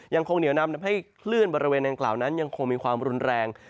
ยังคงเหนียวนำทำให้คลื่นบริเวณดังกล่าวนั้นยังคงมีความรุนแรง